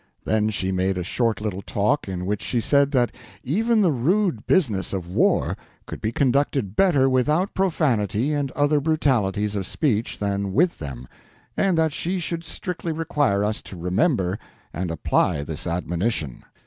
Then she made a short little talk in which she said that even the rude business of war could be conducted better without profanity and other brutalities of speech than with them, and that she should strictly require us to remember and apply this admonition.